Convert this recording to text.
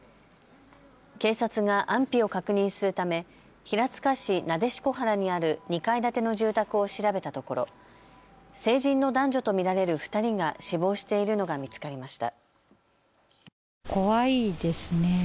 警察が安否を確認するため平塚市撫子原にある２階建ての住宅を調べたところ成人の男女と見られる２人が死亡しているのが見つかりました。